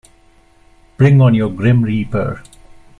Bring on your grim reaper!